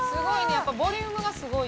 やっぱボリュームがすごいね。